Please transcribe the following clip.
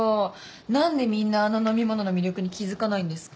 なんでみんなあの飲み物の魅力に気づかないんですか？